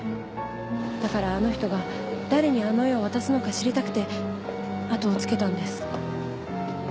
だからあの人が誰にあの絵を渡すのか知りたくて後をつけたんです。